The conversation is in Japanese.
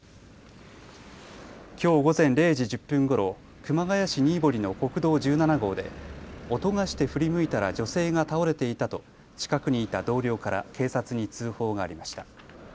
きょう午前０時１０分ごろ、熊谷市新堀の国道１７号で音がして振り向いたら女性が倒れていたと近くにいた同僚から警察に通報がありました。